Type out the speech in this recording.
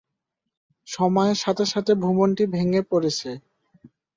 সময়ের সাথে সাথে ভবনটি ভেঙে পড়েছে।